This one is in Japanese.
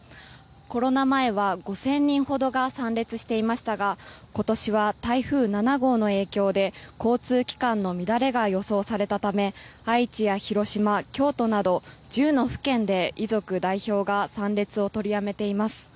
コロナ前は５０００人ほどが参列していましたが今年は台風７号の影響で交通機関の乱れが予想されたため愛知や広島、京都など１０の府県で遺族代表が参列を取りやめています。